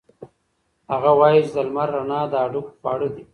هغه وایي چې د لمر رڼا د هډوکو خواړه دي.